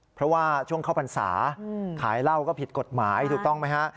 เพราะว่าช่วงเข้าพรรษาขายเหล้าก็ผิดกฎหมายถูกต้องไหมฮะ